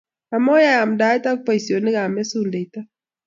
Amoyai yamdaet ak boisionikab mesundeito.